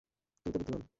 তুমি তো বুদ্ধিমান।